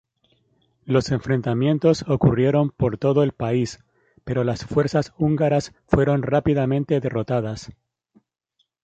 Los enfrentamientos ocurrieron por todo el país, pero las fuerzas húngaras fueron rápidamente derrotadas.